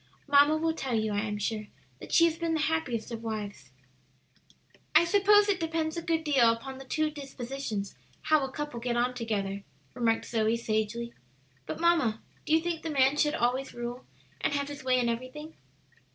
Mamma will tell you, I am sure, that she has been the happiest of wives." "I suppose it depends a good deal upon the two dispositions how a couple get on together," remarked Zoe, sagely. "But, mamma, do you think the man should always rule and have his way in everything?"